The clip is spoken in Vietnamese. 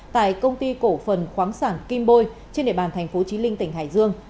tại công ty cổ phần khoáng sản kim bôi trên địa bàn tp chí linh tỉnh hải dương